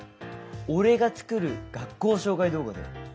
俺が作る学校紹介動画だよ。